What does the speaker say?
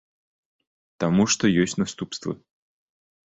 Таму што ёсць наступствы.